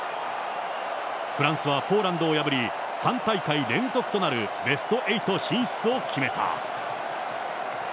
フランスはポーランドを破り、３大会連続となるベスト８進出を決めた。